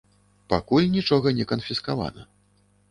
Пакуль нічога не канфіскавана.